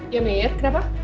ya mir kenapa